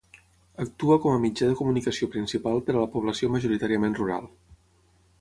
Actua com a mitjà de comunicació principal per a la població majoritàriament rural.